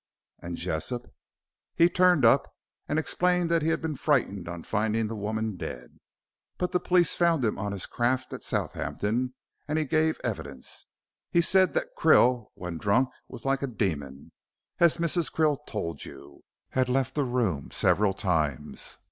"And Jessop?" "He turned up and explained that he had been frightened on finding the woman dead. But the police found him on his craft at Southampton, and he gave evidence. He said that Krill when drunk, and like a demon, as Mrs. Krill told you, had left the room several times.